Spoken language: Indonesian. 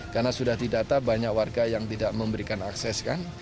karena sudah didata banyak warga yang tidak memberikan akses